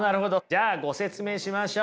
じゃあご説明しましょう。